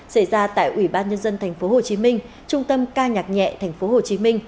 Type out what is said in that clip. xảy ra tại ủy ban nhân dân tp hcm trung tâm ca nhạc nhẹ tp hcm